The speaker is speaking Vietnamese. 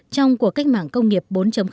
trong cuộc cách mạng công nghiệp bốn